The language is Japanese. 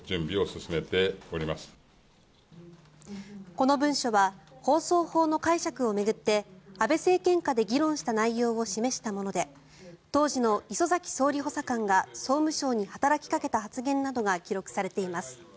この文書は放送法の解釈を巡って安倍政権下で議論した内容を示したもので当時の礒崎総理補佐官が総務省に働きかけた発言などが記録されています。